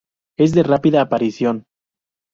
Es de rápida aparición.